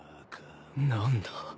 何だ？